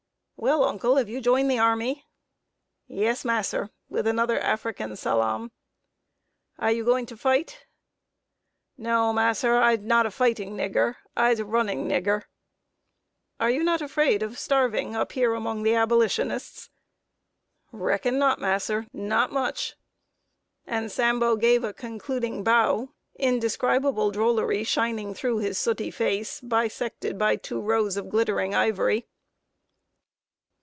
"Well, uncle, have you joined the army?" "Yes, mass'r" (with another African salaam). "Are you going to fight?" "No, mass'r, I'se not a fightin' nigger, I'se a runnin' nigger!" "Are you not afraid of starving, up here among the Abolitionists?" [Sidenote: CAPTURING A REBEL FLAG.] "Reckon not, mass'r not much." And Sambo gave a concluding bow, indescribable drollery shining through his sooty face, bisected by two rows of glittering ivory.